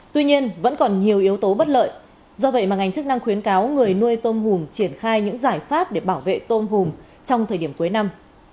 tuy nhiên vẫn còn nhiều yếu tố bất lợi do vậy mà ngành chức năng khuyến cáo người nuôi tôm hùm triển khai những giải pháp để bảo vệ tôm hùm trong thời điểm cuối năm